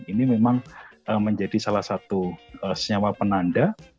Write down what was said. ini memang menjadi salah satu senyawa penanda